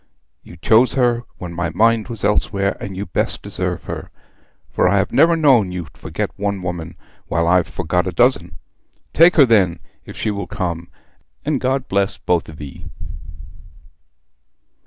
You chose her when my mind was elsewhere, and you best deserve her; for I have never known you forget one woman, while I've forgot a dozen. Take her then, if she will come, and God bless both of ye.'